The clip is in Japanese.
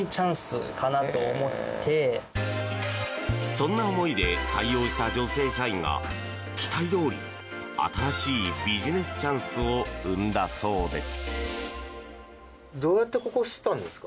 そんな思いで採用した女性社員が期待どおり新しいビジネスチャンスを生んだそうです。